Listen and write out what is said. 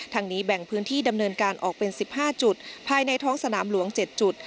ทางนี้แบ่งพื้นที่ดำเนินการออกเป็น๑๕จุดภายในท้องสนามหลวง๗จุด